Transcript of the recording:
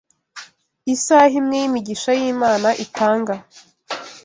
Isaha imwe y’imigisha y’Imana itanga